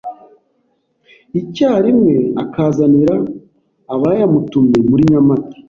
icyarimwe akazanira abayamutumye muri Nyamata,